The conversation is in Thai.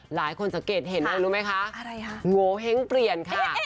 หลายคนดูสังเกตเห็นแล้วรู้มั้ยคะงโหแฮ้งเปลี่ยนค่ะ